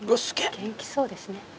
元気そうですね。